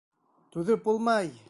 Түҙеп булмай!